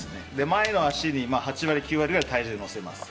前の足に８割、９割くらい体重を乗せます。